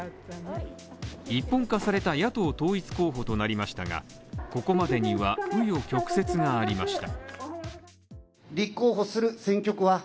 一本化された野党統一候補となりましたがここまでには紆余曲折がありました。